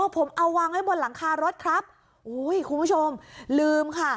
ผมเอาวางไว้บนหลังคารถครับอุ้ยคุณผู้ชมลืมค่ะ